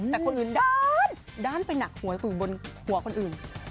แต่คนอื่นด้านด้านไปหนักหัวคนอื่นบนหัวคนอื่น